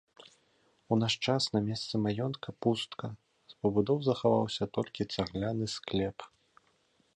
У наш час на месцы маёнтка пустка, з пабудоў захаваўся толькі цагляны склеп.